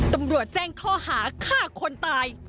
ตำรวจแจ้งข้อหาฆ่าคนตาย